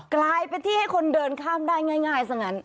กลายเป็นที่ให้คนเดินข้ามได้ง่ายซะงั้น